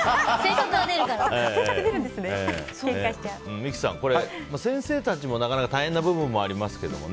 三木さん、先生たちもなかなか大変な部分もありますけどね。